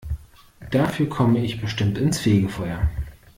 Dafür komme ich bestimmt ins Fegefeuer.